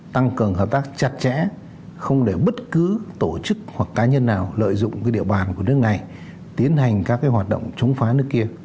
tăng cường hợp tác chặt chẽ không để bất cứ tổ chức hoặc cá nhân nào lợi dụng địa bàn của nước này tiến hành các hoạt động chống phá nước kia